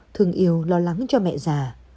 thường yêu lo lắng cho mẹ già